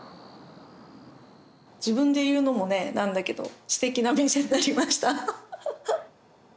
自分で言うのもねなんだけどすてきなお店になりました。